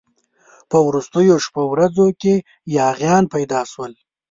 په وروستو شپو ورځو کې یاغیان پیدا شول.